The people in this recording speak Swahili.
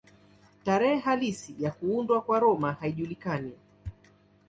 Tarehe halisi ya kuundwa kwa Roma haijulikani.